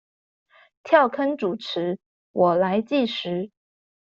跳坑主持，我來計時